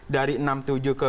dari enam tujuh ke